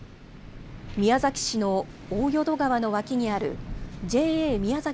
宮崎市の大淀川の脇にあるＪＡ宮崎